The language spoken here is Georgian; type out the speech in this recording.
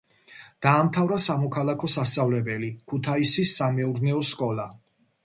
დაამთავრა სამოქალაქო სასწავლებელი, ქუთაისის სამეურნეო სკოლა.